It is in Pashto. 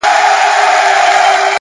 د خاموش کار اغېز ژور وي!